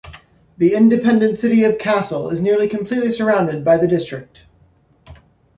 The independent city of Kassel is nearly completely surrounded by the district.